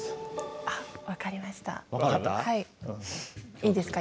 いいですか？